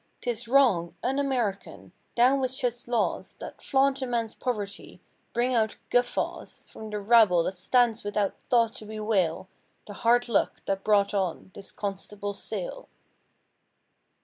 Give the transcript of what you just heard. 'Tis wrong! un American! down with such laws That flaunt a man's poverty—bring out guffaws From the rabble that stands without thought to bewail The hard luck, that brought on this "Constable's Sale."